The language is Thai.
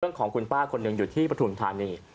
ของคุณป้าคนหนึ่งอยู่ที่ปฐุมธานี